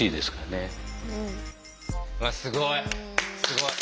すごい。